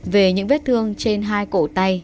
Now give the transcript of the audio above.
về những vết thương trên hai cổ tay